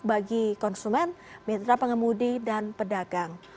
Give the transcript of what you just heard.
bagi konsumen mitra pengemudi dan pedagang